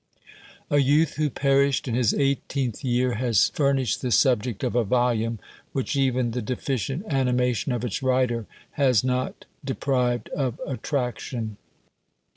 A youth who perished in his eighteenth year has furnished the subject of a volume, which even the deficient animation of its writer has not deprived of attraction.